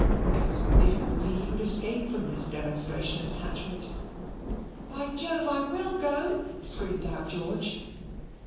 It was with difficulty he could escape from this demonstration of attachment. "By Jove, I will go!" screamed out George.